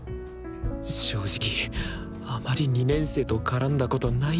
正直あまり２年生と絡んだことないんだよな。